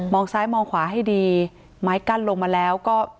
ซ้ายมองขวาให้ดีไม้กั้นลงมาแล้วก็